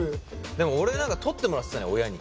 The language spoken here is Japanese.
でも俺何か取ってもらってたね親に。